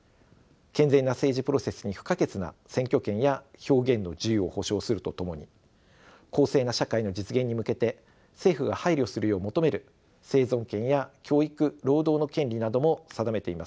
健全な政治プロセスに不可欠な選挙権や表現の自由を保障するとともに公正な社会の実現に向けて政府が配慮するよう求める生存権や教育・労働の権利なども定めています。